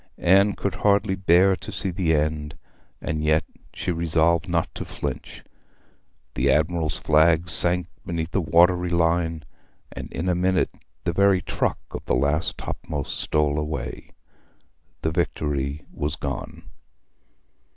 Anne could hardly bear to see the end, and yet she resolved not to flinch. The admiral's flag sank behind the watery line, and in a minute the very truck of the last topmast stole away. The Victory was gone.